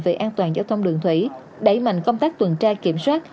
về an toàn giao thông đường thủy đẩy mạnh công tác tuần tra kiểm soát